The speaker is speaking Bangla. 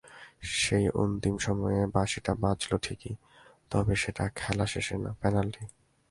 সেই অন্তিম সময়ে বাঁশিটা বাজল ঠিকই, তবে সেটা খেলা শেষের না, পেনাল্টির।